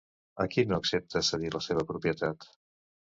A qui no accepta cedir la seva propietat?